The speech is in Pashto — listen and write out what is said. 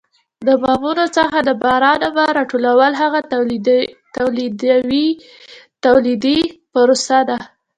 د بامونو څخه د باران اوبه را ټولول هغه تولیدي پروسه ده.